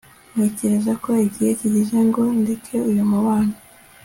ntekereza ko igihe kigeze ngo ndeke uyu mubano